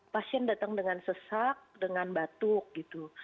pasien datang dengan sesak dengan batuk gitu